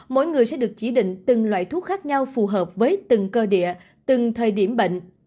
mỗi người sẽ được chỉ định từng loại thuốc khác nhau phù hợp với từng cơ địa từng thời điểm bệnh